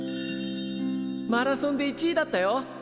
マラソンで１位だったよ！